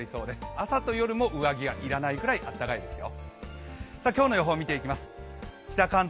朝と夜も上着がいらないくらい暖かいですよ。